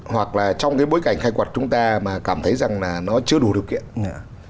hoặc là trong cái bối cảnh khai quật chúng ta mà cảm thấy rằng là nó chưa đủ điều kiện